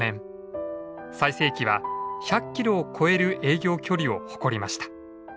最盛期は１００キロを超える営業距離を誇りました。